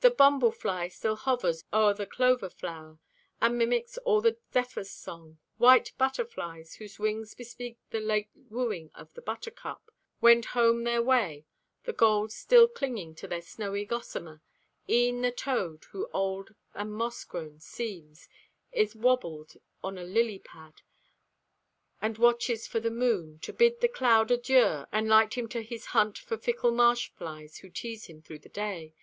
The bumblefly still hovers o'er the clover flower, And mimics all the zephyr's song. White butterflies, Whose wings bespeak late wooing of the buttercup, Wend home their way, the gold still clinging to their snowy gossamer. E'en the toad, who old and moss grown seems, Is wabbled on a lilypad, and watches for the moon To bid the cloud adieu and light him to his hunt For fickle marsh flies who tease him through the day.